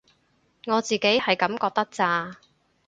我自己係噉覺得咋